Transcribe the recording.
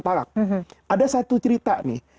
palak ada satu cerita nih